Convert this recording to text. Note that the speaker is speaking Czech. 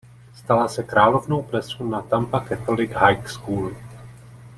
Stala se královnou plesu na Tampa Catholic High School.